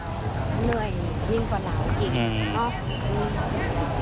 เหนื่อยยิ่งกว่าเหนาอีก